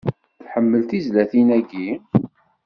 Tḥemmleḍ tizlatin-agi?